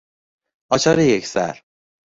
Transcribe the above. آچار یک سر